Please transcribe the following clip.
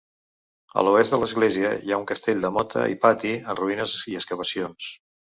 A l'oest de l'església hi ha un castell de mota i pati en ruïnes i excavacions.